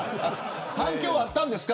反響あったんですか。